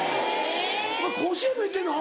お前甲子園も行ってるの⁉